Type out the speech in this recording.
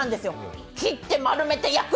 切って、丸めて、焼く！